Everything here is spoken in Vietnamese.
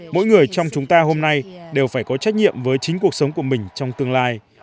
mỗi người trong chúng ta hôm nay đều phải có trách nhiệm với chính cuộc sống của mình trong tương lai